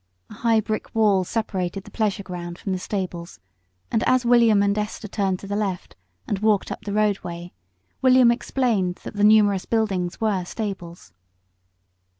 A high brick wall separated the pleasure ground from the stables, and as William and Esther turned to the left and walked up the roadway he explained that the numerous buildings were stables.